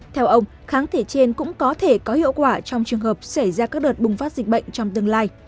theo ông kháng thể trên cũng có thể có hiệu quả trong trường hợp xảy ra các đợt bùng phát dịch bệnh trong tương lai